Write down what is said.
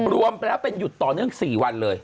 รวมเป็นต่อยุดต่อเนื่อง๔วันเลย